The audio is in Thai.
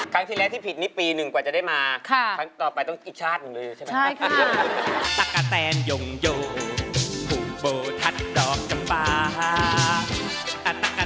ครั้งที่แล้วที่ผิดนี้ปีหนึ่งกว่าจะได้มาครั้งต่อไปต้องอีกชาติหนึ่งเลยใช่ไหม